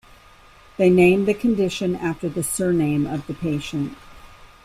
They named the condition after the surname of the patient.